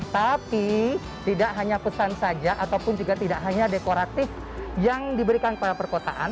tapi tidak hanya pesan saja ataupun juga tidak hanya dekoratif yang diberikan pada perkotaan